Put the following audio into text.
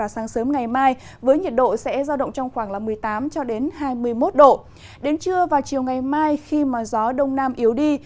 xin chào và hẹn gặp lại